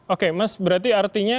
oke mas berarti artinya